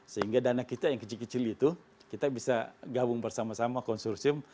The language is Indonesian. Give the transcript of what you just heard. sehingga dana kita yang kecil kecil itu kita bisa gabung bersama sama konsorsium